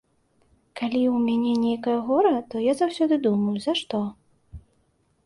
Калі ў мяне нейкае гора, то я заўсёды думаю, за што?